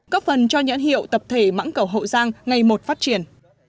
cấp phần cho nhãn hiệu tập thể mắng cầu hậu giang ngày một phát triển